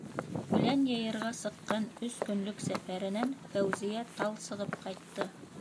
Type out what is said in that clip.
Үлән йыйырға сыҡҡан өс көнлөк сәфәренән Фәүзиә талсығып ҡайтты.